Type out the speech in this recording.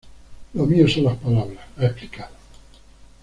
Lo mío son las palabras", ha explicado.